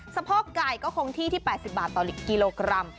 สะโพกไก่ก็คงที่ที่๘๐บาทต่อกิโลกรัม